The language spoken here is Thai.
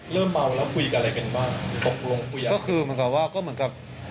เริ่มเมาแล้วคุยอะไรกันบ้างตกลงคุยกันก็คือเหมือนกับว่าก็เหมือนกับ